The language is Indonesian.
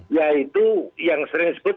yaitu yang sering disebut